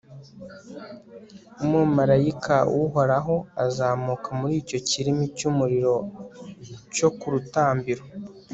umumalayika w'uhoraho azamuka muri icyo kirimi cy'umuriro cyo ku rutambiro